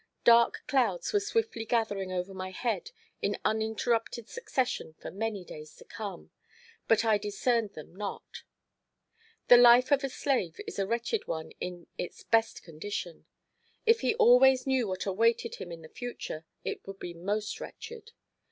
Dark clouds were swiftly gathering over my head in uninterrupted succession for many days to come; but I discerned them not. The life of a slave is a wretched one in its best condition; if he always knew what awaited him in the future, it would be most wretched.